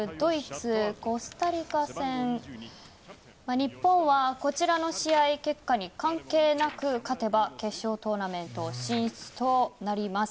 日本はこちらの試合結果に関係なく勝てば、決勝トーナメント進出となります。